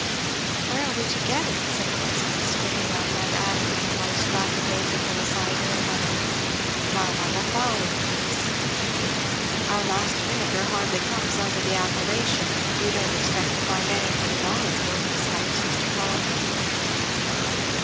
"Where are we to get it?" said Constance springing up, and adding in a most lack a daisical aside to her mother, "(Mamma! the fowling piece!) Our last vinegar hardly comes under the appellation; and you don't expect to find anything volatile in this house, Mr. Carleton?"